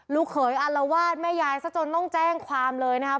ลูกเขยอารวาสแม่ยายซะจนต้องแจ้งความเลยนะครับ